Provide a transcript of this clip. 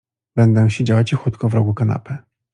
Będę siedziała cichutko w rogu kanapy.